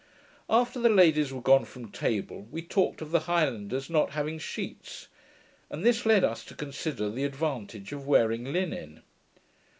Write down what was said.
After the ladies were gone from table, we talked of the highlanders not having sheets; and this led us to consider the advantage of wearing linen.